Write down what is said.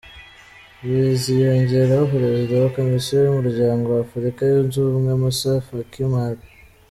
Baziyongeraho Perezida wa Komisiyo y’Umuryango wa Afurika Yunze Ubumwe, Moussa Faki Mahamat.